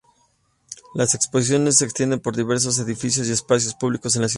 La exposición se extiende por diversos edificios y espacios públicos de la ciudad.